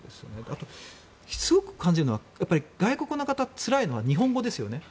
あと、すごく感じるのは外国の方、つらいのは日本語ですよね。